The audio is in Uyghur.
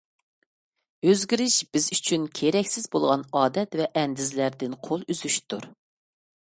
ئۆزگىرىش — بىز ئۈچۈن كېرەكسىز بولغان ئادەت ۋە ئەندىزىلەردىن قول ئۈزۈشتۇر.